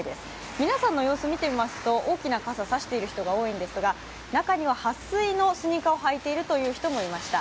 皆さんの様子を見ていますと大きな傘を差している人が多いですが中にははっ水のスニーカーを履いているという人もいました。